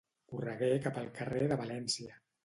Corregué cap al carrer de València.